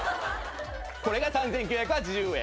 これが３，９８０円。